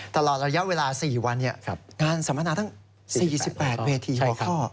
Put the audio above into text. ตลอดระยะเวลา๔วันงานสัมมนาทั้ง๔๘เวทีหัวข้อ